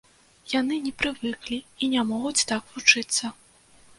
Яны не прывыклі і не могуць так вучыцца.